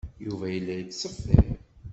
Yuba yella yettṣeffir.